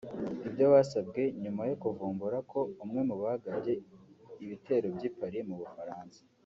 Ibyo byasabwe nyuma yo kuvumbura ko umwe mu bagabye ibitero by’i Paris mu Bufaransa